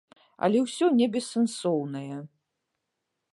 Але ўсё не бессэнсоўнае.